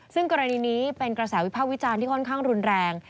ซึ่งกรณีนี้เป็นกระแสวิภาควิจารณ์ที่ค่อนข้างรุนแรง